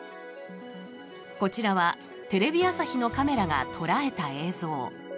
こちらはテレビ朝日のカメラが捉えた映像。